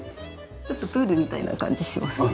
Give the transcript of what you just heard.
ちょっとプールみたいな感じしますね。